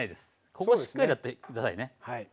ここしっかりやって下さいね。